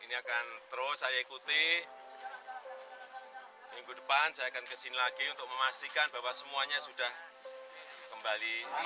dan ini akan terus saya ikuti minggu depan saya akan ke sini lagi untuk memastikan bahwa semuanya sudah kembali normal